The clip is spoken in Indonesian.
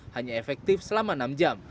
hanya efektif selama enam jam